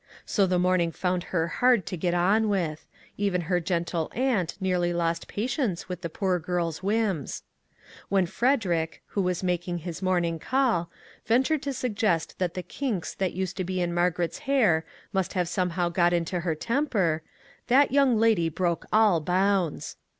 So the morn ing found her hard to get on with; even her gentle aunt nearly lost patience with the poor 289 MAG AND MARGARET girl's whims. When Frederick, who was mak ing his morning call, ventured to suggest that the kinks that used to be in Margaret's hair must have somehow got into her temper, that young lady broke all bounds.